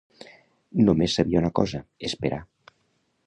No més sabia una cosa: esperar